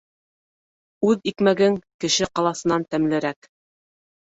Үҙ икмәгең кеше ҡаласынан тәмлерәк.